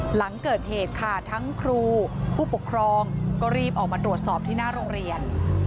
หลังเกิดเหตุค่ะทั้งครูผู้ปกครองก็รีบออกมาตรวจสอบที่หน้าโรงเรียน